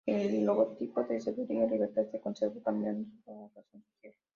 El logotipo de Cervecería Libertad se conservó, cambiando sólo la razón social.